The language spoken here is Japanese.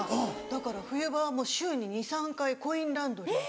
だから冬場はもう週に２３回コインランドリー。